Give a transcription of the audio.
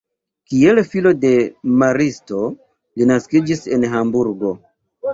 Kiel filo de maristo li naskiĝis en Hamburgo.